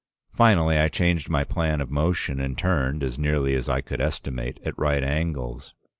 Finally I changed my plan of motion and turned, as nearly as I could estimate, at right angles.